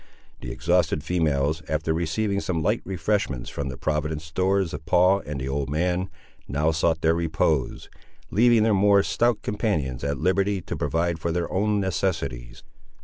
The exhausted females, after receiving some light refreshments from the provident stores of Paul and the old man, now sought their repose, leaving their more stout companions at liberty to provide for their own necessities.